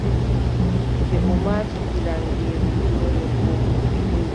Nde o maati gilaŋeeru yiɗi yoolgomo,